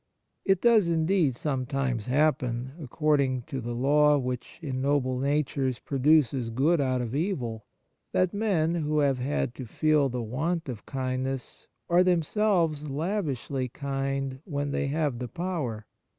It does indeed sometimes happen, according to the law which in noble natures produces good out of evil, that men who have had to feel the want of kindness are themselves lavishly kind when they have the power.